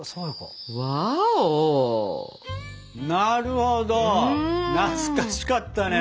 なるほど懐かしかったね。